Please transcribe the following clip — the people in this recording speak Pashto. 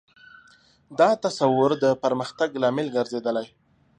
دا تصور د پرمختګ لامل ګرځېدلی.